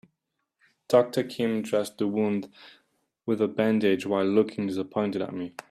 Doctor Kim dressed the wound with a bandage while looking disappointed at me.